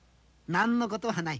何のことはない。